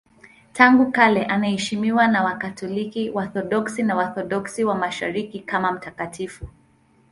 Tangu kale anaheshimiwa na Wakatoliki, Waorthodoksi na Waorthodoksi wa Mashariki kama mtakatifu.